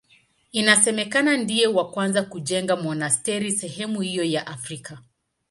Inasemekana ndiye wa kwanza kujenga monasteri sehemu hiyo ya Afrika.